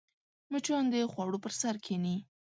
مچان د خوړو پر سر کښېني